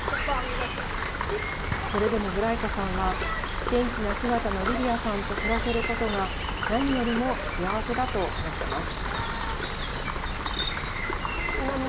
それでもブライコさんは元気な姿のリリアさんと暮らせることが何よりも幸せだと話します。